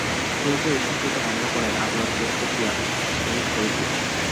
কেউ কেউ এ সংক্রান্ত মামলা করায় আদালত নিয়োগপ্রক্রিয়া স্থগিত করে দিচ্ছেন।